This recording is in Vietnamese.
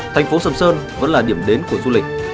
thành phố sầm sơn vẫn là điểm đến của du lịch